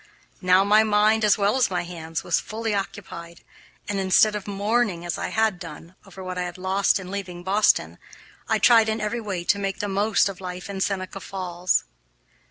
Now my mind, as well as my hands, was fully occupied, and instead of mourning, as I had done, over what I had lost in leaving Boston, I tried in every way to make the most of life in Seneca Falls.